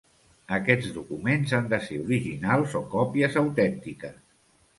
Aquests documents han de ser originals o còpies autèntiques.